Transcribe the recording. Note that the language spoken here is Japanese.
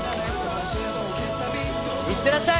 行ってらっしゃい！